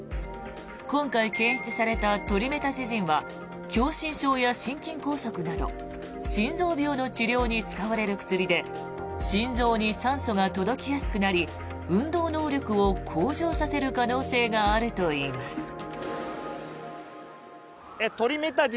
今回、検出されたトリメタジジンは狭心症や心筋梗塞など心臓病の治療に使われる薬で心臓に酸素が届きやすくなり運動能力を向上させる可能性があるといいます。